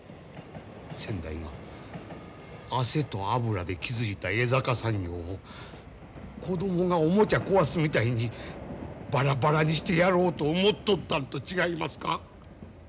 先代が汗と脂で築いた江坂産業を子供がおもちゃ壊すみたいにバラバラにしてやろうと思うとったんと違いますか？